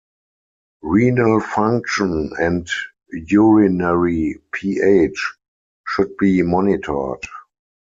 Renal function and urinary pH should be monitored.